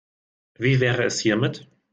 Wie wäre es hiermit?